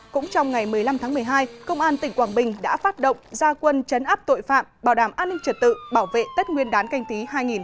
cũng trong ngày một mươi năm tháng một mươi hai công an tỉnh quảng bình đã phát động gia quân chấn áp tội phạm bảo đảm an ninh trật tự bảo vệ tết nguyên đán canh tí hai nghìn hai mươi